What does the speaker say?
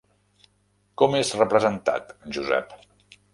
Com és representat Josep?